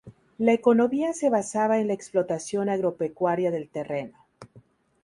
La economía se basaba en la explotación agropecuaria del terreno.